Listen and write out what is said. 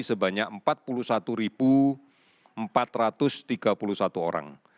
sebanyak empat puluh satu empat ratus tiga puluh satu orang